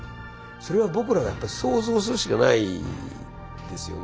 それは僕らがやっぱ想像するしかないですよね。